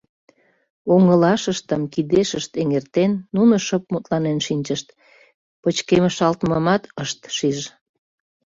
Оҥылашыштым кидешышт эҥертен, нуно шып мутланен шинчышт, пычкемышалтмымат ышт шиж.